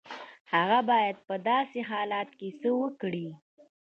هغه بايد په داسې حالت کې څه وکړي؟